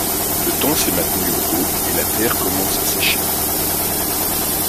Le temps s’est maintenu au beau et la terre commence à sécher.